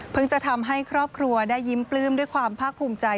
จะทำให้ครอบครัวได้ยิ้มปลื้มด้วยความภาคภูมิใจ